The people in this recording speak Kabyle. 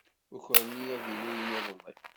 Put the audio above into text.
Ukren-iyi avilu-inu iḍelli.